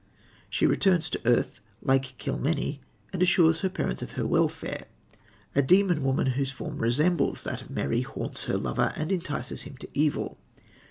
She returns to earth, like Kilmeny, and assures her parents of her welfare. A demon woman, whose form resembles that of Mary, haunts her lover, and entices him to evil.